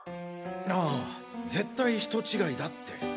あぁ絶対人違いだって。